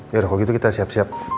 yaudah kalau gitu kita siap siap